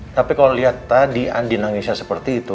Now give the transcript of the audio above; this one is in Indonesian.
tapi kalau liat tadi andin nangisnya seperti itu